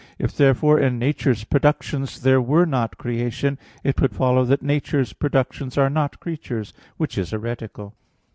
If therefore in nature's productions there were not creation, it would follow that nature's productions are not creatures; which is heretical.